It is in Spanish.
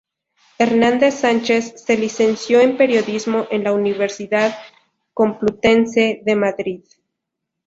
Hernández Sánchez se licenció en periodismo en la Universidad Complutense de Madrid.